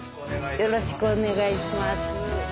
よろしくお願いします。